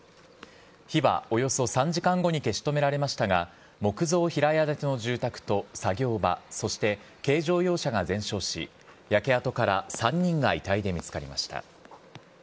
火はおよそ３時間後に消し止められましたが、木造平屋建ての住宅と作業場、そして軽乗用車が全焼し、焼け跡から３人が遺体で見つかりました。